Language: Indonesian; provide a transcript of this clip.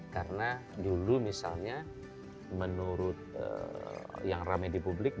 karena dulu misalnya menurut yang ramai di publik